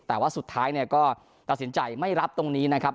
แต่ว่าสุดท้ายเนี่ยก็ตัดสินใจไม่รับตรงนี้นะครับ